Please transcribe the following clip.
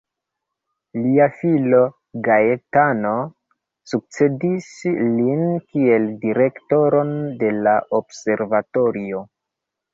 Lia filo, Gaetano, sukcedis lin kiel direktoron de la observatorio.